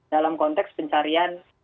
dalam konteks pencarian